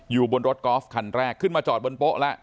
อยู่บนรถกอล์ฟคันแรกขึ้นมาจอดบนโป๊ะแล้ว